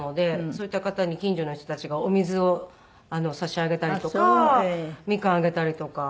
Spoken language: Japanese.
そういった方に近所の人たちがお水を差し上げたりとかみかんあげたりとか。